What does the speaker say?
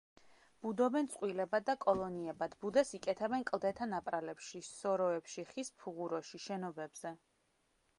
ბუდობენ წყვილებად და კოლონიებად, ბუდეს იკეთებენ კლდეთა ნაპრალებში, სოროებში, ხის ფუღუროში, შენობებზე.